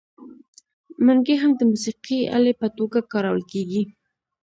منګی هم د موسیقۍ الې په توګه کارول کیږي.